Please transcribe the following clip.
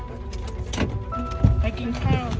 ไปกินข้าว